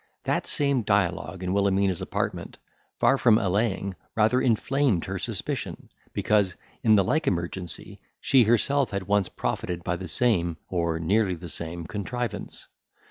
That same dialogue in Wilhelmina's apartment, far from allaying, rather inflamed her suspicion; because, in the like emergency, she herself had once profited by the same, or nearly the same contrivance.